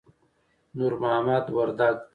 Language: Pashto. نور محمد وردک